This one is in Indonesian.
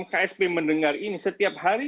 ksp mendengar ini setiap hari